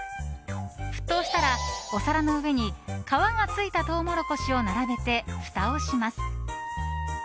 沸騰したら、お皿の上に皮がついたトウモロコシを並べてふたをします。